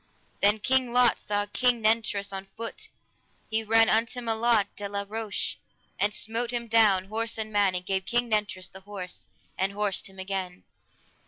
Then King Lot saw King Nentres on foot, he ran unto Melot de la Roche, and smote him down, horse and man, and gave King Nentres the horse, and horsed him again.